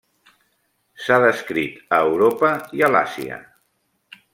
S'ha descrit a Europa, i a l'Àsia.